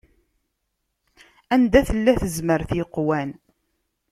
Anda tella tezmert yeqwan.